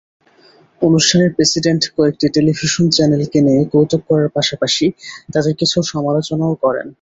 অনুষ্ঠানে প্রেসিডেন্ট কয়েকটি টেলিভিশন চ্যানেলকে নিয়ে কৌতুক করার পাশাপাশি তাদের কিছু সমালোচনাও করেন।